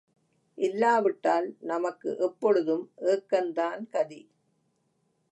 இல்லாவிட்டால் நமக்கு எப்பொழுதும் ஏக்கந்தான் கதி.